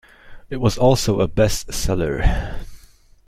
It was also a best seller.